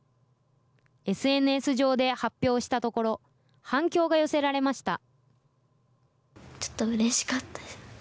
ＳＮＳ上で発表したところ、反響が寄せられました。